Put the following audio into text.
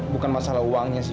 bukan masalah uangnya sih